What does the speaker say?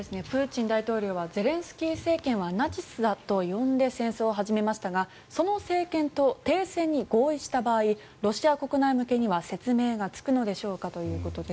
プーチン大統領はゼレンスキー政権はナチスだと呼んで戦争を始めましたがその政権と停戦に合意した場合ロシア国内向けには説明がつくのでしょうか？